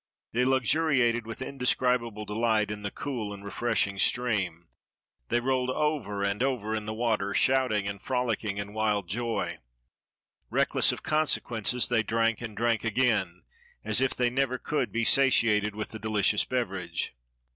They luxuriated, with indescribable delight, in the cool and refreshing stream. They rolled 218 THE BATTLE OF THE PYRAMIDS over and over in the water, shouting and frolicking in wild joy. Reckless of consequences, they drank and drank again, as if they never could be satiated with the delicious beverage.